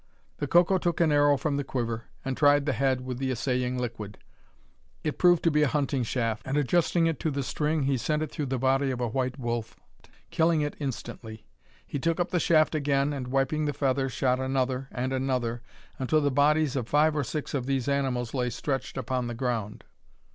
The Coco took an arrow from the quiver, and tried the head with the assaying liquid. It proved to be a hunting shaft; and, adjusting it to the string, he sent it through the body of a white wolf, killing it instantly. He took up the shaft again, and wiping the feather, shot another, and another, until the bodies of five or six of these animals lay stretched upon the ground.